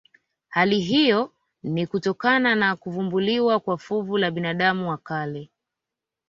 Hali hiyo ni kutokana na kuvumbuliwa kwa fuvu la binadamu wa kale